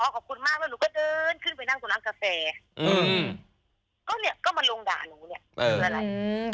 อ๋อขอบคุณมากแล้วหนูก็เดินขึ้นไปนั่งตรงน้ำกาแฟอืมก็เนี้ยก็มาลงด่าหนูเนี้ย